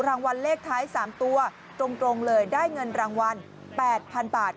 รางวัลเลขท้าย๓ตัวตรงเลยได้เงินรางวัล๘๐๐๐บาท